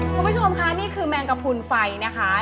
คุณผู้ชมค่ะนี่คือแมงกระพุนไฟนะคะ